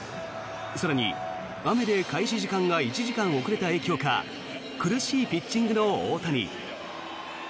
更に、雨で開始時間が１時間遅れた影響か苦しいピッチングの大谷。